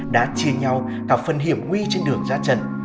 đã chia nhau cả phần hiểm nguy trên đường ra trận